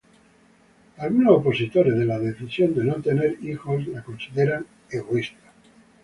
Algunos opositores de la decisión de no tener hijos la consideran egoísta.